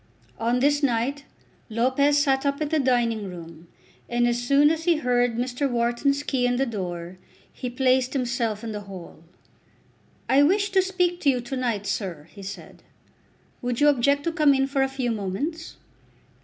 On this night Lopez sat up in the dining room, and as soon as he heard Mr. Wharton's key in the door, he placed himself in the hall. "I wish to speak to you to night, sir," he said. "Would you object to come in for a few moments?"